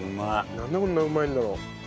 なんでこんなうまいんだろう。